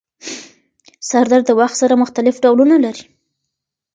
سردرد د وخت سره مختلف ډولونه لري.